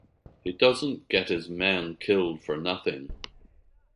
He doesn't get his men killed for nothing!